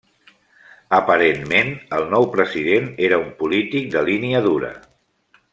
Aparentment, el nou president era un polític de línia dura.